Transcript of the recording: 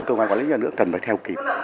công an quản lý nhà nước cần phải theo kịp